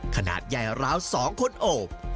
ขนาดใหญ่ราว๒คนโอบ